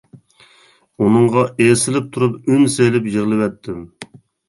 ئۇنىڭغا ئېسىلىپ تۇرۇپ ئۈن سېلىپ يىغلىۋەتتىم.